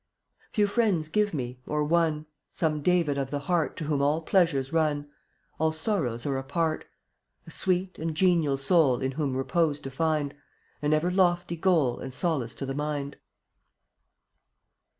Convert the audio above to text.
56 Few friends give me — or one; Some David of the heart To whom all pleasures run, All sorrows are a part — A sweet and genial soul In whom repose to find, An ever lofty goal And solace to the mind.